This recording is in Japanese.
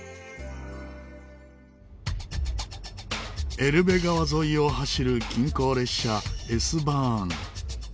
エルベ川沿いを走る近郊列車Ｓバーン。